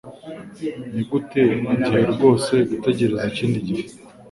Ni uguta igihe rwose gutegereza ikindi gihe.